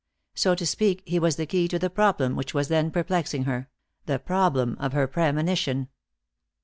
So to speak, he was the key to the problem which was then perplexing her the problem of her premonition.